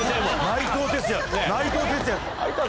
内藤哲也！